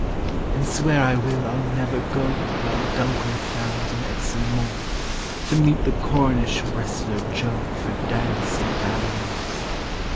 "'And swear I will I'll never go While Dunkery frowns on Exon Moor To meet the Cornish Wrestler Joe For dance and dallyings.